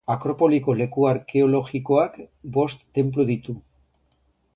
Akropoliko leku arkeologikoak bost tenplu ditu.